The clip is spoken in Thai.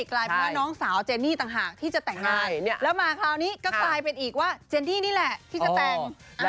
กลายเป็นว่าน้องสาวเจนนี่ต่างหากที่จะแต่งงานแล้วมาคราวนี้ก็กลายเป็นอีกว่าเจนนี่นี่แหละที่จะแต่ง